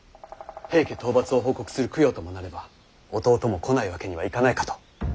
平家討伐を報告する供養ともなれば弟も来ないわけにはいかないかと。